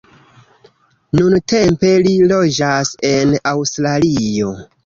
Nuntempe li loĝas en Aŭstralio.